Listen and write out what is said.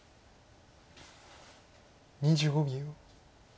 ２５秒。